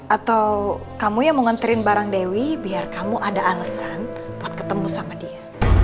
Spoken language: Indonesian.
atau kamu yang mau nganterin barang dewi biar kamu ada alesan buat ketemu sama dia